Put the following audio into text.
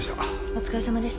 お疲れさまでした。